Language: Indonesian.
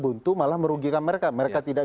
buntu malah merugikan mereka mereka tidak